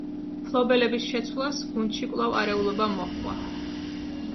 მფლობელების შეცვლას, გუნდში კვლავ არეულობა მოჰყვა.